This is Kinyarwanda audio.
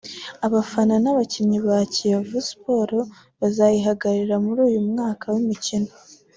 abafana n’abakinnyi ba Kiyovu Sports bazayihagararira muri uyu mwaka w’imikino